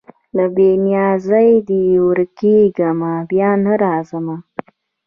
له بې نیازیه دي ورکېږمه بیا نه راځمه